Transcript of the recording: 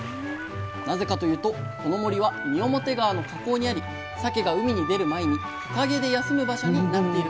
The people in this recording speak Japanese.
なぜかというとこの森は三面川の河口にありさけが海に出る前に木陰で休む場所になっているからなんです。